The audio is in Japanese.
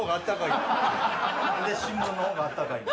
何で新聞の方があったかいん？